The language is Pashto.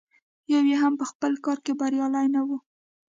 یو یې هم په خپل کار کې بریالی نه و.